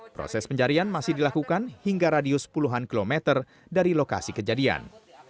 proses pencarian masih dilakukan hingga radius puluhan kilometer dari lokasi kejadian